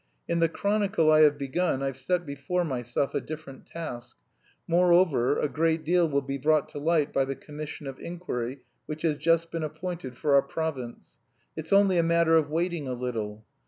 In the chronicle I have begun I've set before myself a different task. Moreover a great deal will be brought to light by the Commission of Inquiry which has just been appointed for our province; it's only a matter of waiting a little.